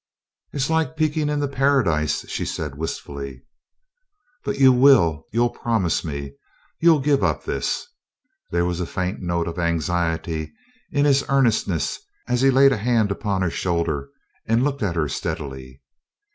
"It's like peeking into Paradise," she said, wistfully. "But you will you'll promise me? You'll give up this?" There was a faint note of anxiety in his earnestness as he laid a hand upon her shoulder and looked at her steadily.